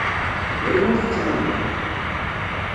D ayen ur tettamneḍ!